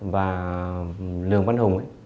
và lường văn hùng